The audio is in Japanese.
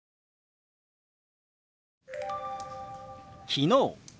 「昨日」。